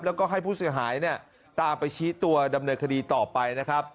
แล้วก็ให้ผู้เสียหายเนี่ยตามไปชี้ตัวดำเนินคดีต่อไปนะครับ